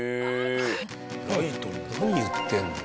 何言ってるの？